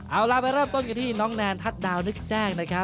เอาละไปเริ่มต้นกันด้วยที่น้องแนนถัดดาวล์นึกแจ้ง